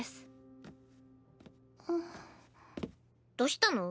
どしたの？